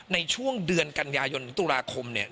ในช่วงเดือนกัญญายนตุลาคม